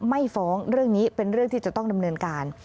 ไม่ฟ้องเรื่องนี้เป็นเรื่องที่จะต้องดำเนินการ